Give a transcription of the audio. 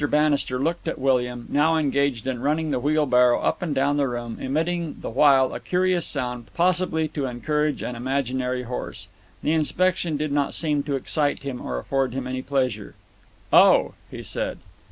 Bannister looked at William, now engaged in running the wheelbarrow up and down the room, emitting the while a curious sound, possibly to encourage an imaginary horse. The inspection did not seem to excite him or afford him any pleasure. "Oh!" he said.